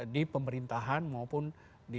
di pemerintahan maupun di